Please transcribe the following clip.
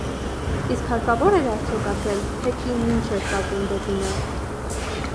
Իսկ հարկավո՞ր էր արդյոք ասել, թե կինն ինչ էր տածում դեպի նա: